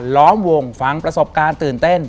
ล้อมวงฟังประสบการณ์ตื่นเต้น